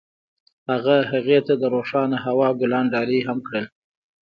هغه هغې ته د روښانه هوا ګلان ډالۍ هم کړل.